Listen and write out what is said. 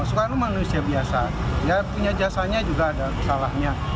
soekarno manusia biasa dia punya jasanya juga ada kesalahannya